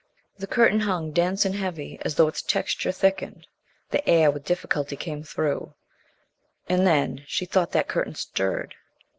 The curtain hung dense and heavy as though its texture thickened. The air with difficulty came through. And then she thought that curtain stirred.